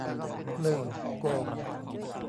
หนึ่ง โกง